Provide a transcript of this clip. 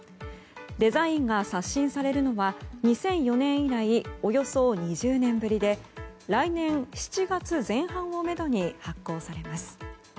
デザインが刷新されるのは２００４年以来およそ２０年ぶりで来年７月前半をめどに発行されます。